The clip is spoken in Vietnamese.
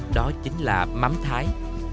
đó chính là mắm thái